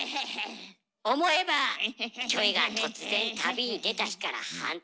思えばキョエが突然旅に出た日から半年。